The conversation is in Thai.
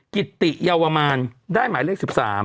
กิติเยาวมานได้หมายเลข๑๓